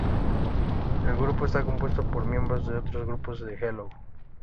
El grupo está compuesto por miembros de otros grupos de Hello!